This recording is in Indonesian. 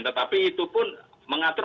tetapi itu pun mengatur